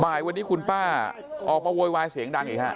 บ่ายวันนี้คุณป้าออกมาโวยวายเสียงดังอีกฮะ